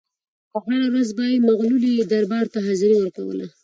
او هره ورځ به یې مغولي دربار ته حاضري ورکوله.